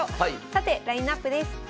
さてラインナップです。